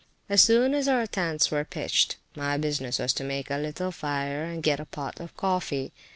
As soon as our tents were pitched, my business was to make a little fire and get a pot of coffee.